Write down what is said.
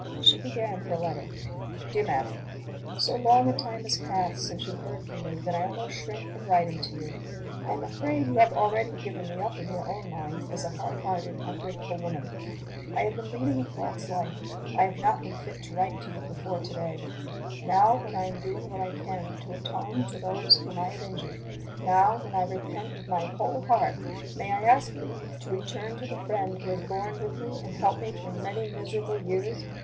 She began her letter. "DEAR MADAM So long a time has passed since you heard from me that I almost shrink from writing to you. I am afraid you have already given me up in your own mind as a hard hearted, ungrateful woman. "I have been leading a false life; I have not been fit to write to you before to day. Now, when I am doing what I can to atone to those whom I have injured now, when I repent with my whole heart may I ask leave to return to the friend who has borne with me and helped me through many miserable years?